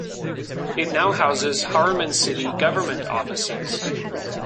It now houses Harriman city government offices.